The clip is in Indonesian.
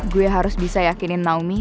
gue harus bisa yakinin naomi